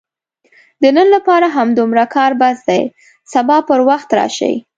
د نن لپاره همدومره کار بس دی، سبا پر وخت راشئ!